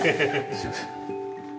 すいません。